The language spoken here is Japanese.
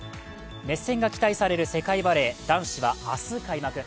熱戦が期待される世界バレー男子は明日開幕。